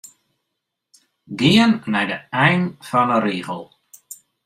Gean nei de ein fan 'e rigel.